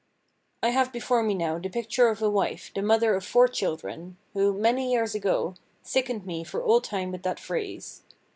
I have before me now the picture of a wife, the mother of four children, who, many years ago, sickened me for all time with that phrase.